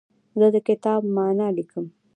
زه د کتاب معنی لیکم.